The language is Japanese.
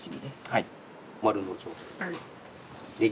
はい。